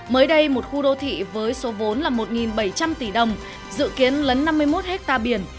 mới đây một khu đô thị với số vốn là một bảy trăm linh tỷ đồng dự kiến lấn năm mươi một hectare biển